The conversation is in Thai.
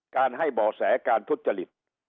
การให้เบาะแสการทุจริต